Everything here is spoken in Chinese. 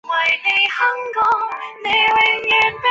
祖父是台湾人。